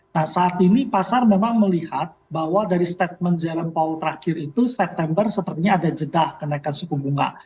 nah saat ini pasar memang melihat bahwa dari statement jerem paul terakhir itu september sepertinya ada jeda kenaikan suku bunga